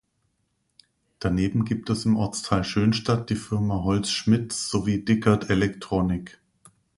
Daneben gibt es im Ortsteil Schönstadt die Firma Holz-Schmidt sowie Dickert Electronic.